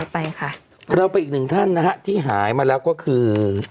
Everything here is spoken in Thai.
มาเอาไปอีกหนึ่งท่านนะครับที่หายบทแล้วก็คือ